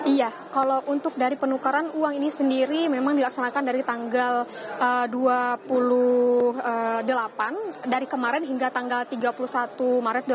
iya kalau untuk dari penukaran uang ini sendiri memang dilaksanakan dari tanggal dua puluh delapan dari kemarin hingga tanggal tiga puluh satu maret dua ribu delapan